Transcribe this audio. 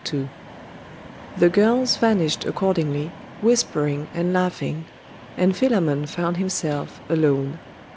The girls vanished accordingly, whispering and laughing; and Philammon found himself alone.